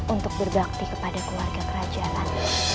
untuk berbakti kepada keluarga kerajaan